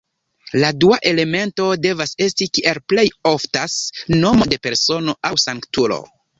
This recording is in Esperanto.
La dua elemento devas esti, kiel plej oftas, nomo de persono aŭ sanktulo.